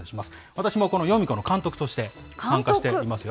私もこのヨミ子の監督として、参加していますよ。